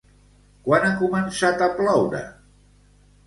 Quan ha començat a ploure?